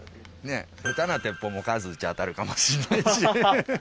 下手な鉄砲も数撃ちゃ当たるかもしれないし。